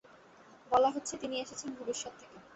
বলা হচ্ছে তিনি এসেছেন ভবিষ্যৎ থেকে।